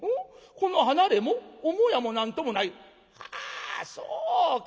この離れも母屋も何ともない？はあそうか。